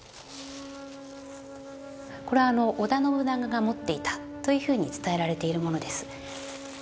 これは織田信長が持っていたというふうに伝えられているものです。